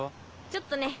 ちょっとね。